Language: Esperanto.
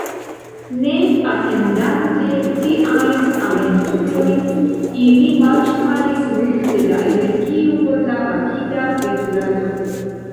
Ne atendante tiajn aventurojn, ili malŝparis multe da energio por la rapida veturado..